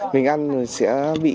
mình ăn sẽ bị